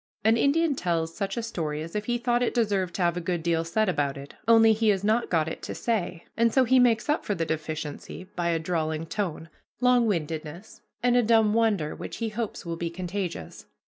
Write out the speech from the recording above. An Indian tells such a story as if he thought it deserved to have a good deal said about it, only he has not got it to say, and so he makes up for the deficiency by a drawling tone, long windedness, and a dumb wonder which he hopes will be contagious.